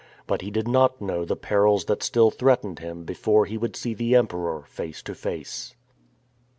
But he did not know the perils that still threatened him before he would see the Emperor face to face.